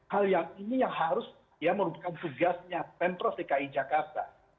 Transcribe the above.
hal ini yang harus merupakan tugasnya pempros dki jakarta